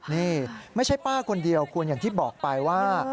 นี่ไม่ใช่ป้าคนเดียวคุณอย่างที่บอกไปว่า